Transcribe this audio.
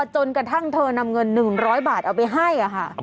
จนกระทั่งเธอนำเงิน๑๐๐บาทเอาไปให้ค่ะ